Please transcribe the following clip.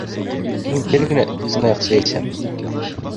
Мин бер генә сынаяҡ әсәм